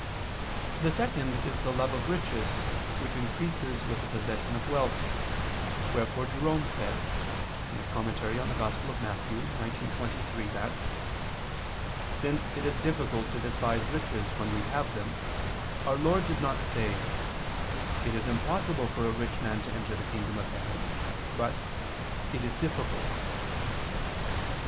The second is the love of riches, which increases with the possession of wealth; wherefore Jerome says (Super Matth. xix, 23) that "since it is difficult to despise riches when we have them, our Lord did not say: 'It is impossible for a rich man to enter the kingdom of heaven,' but: 'It is difficult.'"